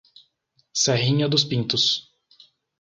Serrinha dos Pintos